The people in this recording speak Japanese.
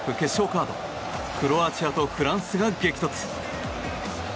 カードクロアチアとフランスが激突。